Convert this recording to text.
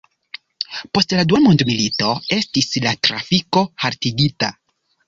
Post la Dua mondmilito estis la trafiko haltigita.